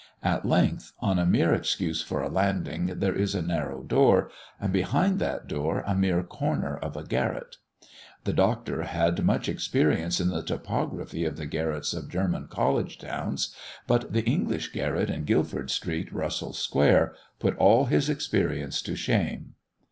At length, on a mere excuse for a landing there is a narrow door, and behind that door a mere corner of a garret. The Doctor had much experience in the topography of the garrets of German college towns; but the English garret in Guildford Street, Russell Square, put all his experience to shame.